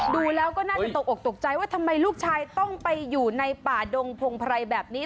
ดูแล้วก็น่าจะตกออกตกใจว่าทำไมลูกชายต้องไปอยู่ในป่าดงพงไพรแบบนี้